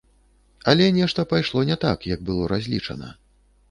Але нешта пайшло не так, як было разлічана.